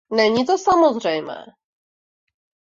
Není to samozřejmé.